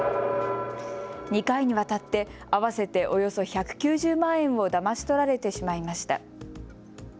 ２回にわたって合わせておよそ１９０万円をだまし取られてしまいました。